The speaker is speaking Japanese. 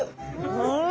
うん！